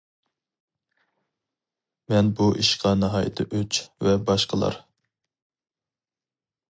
مەن بۇ ئىشقا ناھايىتى ئۆچ، ۋە باشقىلار.